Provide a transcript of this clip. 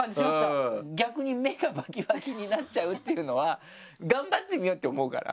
逆に目がバキバキになっちゃうっていうのは頑張って見ようって思うから？